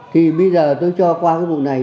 thì bây giờ tôi cho qua cái vùng này